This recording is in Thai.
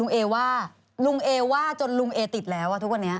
เอว่าลุงเอว่าจนลุงเอติดแล้วทุกวันนี้